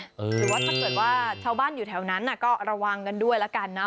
หรือว่าถ้าเกิดว่าชาวบ้านอยู่แถวนั้นก็ระวังกันด้วยแล้วกันนะ